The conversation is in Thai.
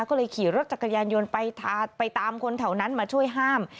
ก็เลยขี่รถจักรยานยนต์ไปตามคนแถวนั้นมาช่วยห้าม